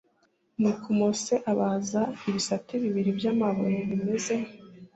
Nuko Mose abaza ibisate bibiri by amabuye bimeze